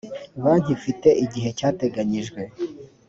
banki ifite igihe cyateganyijwe